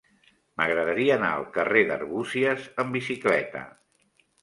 M'agradaria anar al carrer d'Arbúcies amb bicicleta.